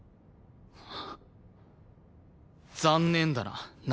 残念だな凪。